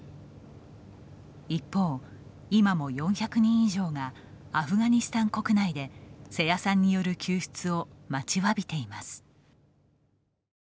一方、今も４００人以上がアフガニスタン国内で瀬谷さんによる救出を待ちわびています。